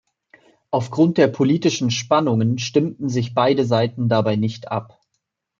Aufgrund der politischen Spannungen stimmten sich beide Seiten dabei nicht ab.